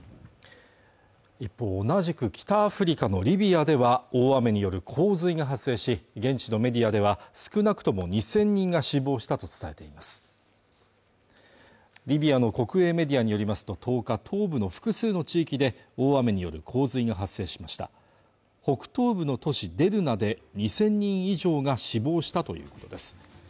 一方、同じく北アフリカのリビアでは大雨による洪水が発生し現地のメディアでは少なくとも２０００人が死亡したと伝えていますリビアの国営メディアによりますと１０日東部の複数の地域で大雨による洪水が発生しました北東部の都市デルナで２０００人以上が死亡したということです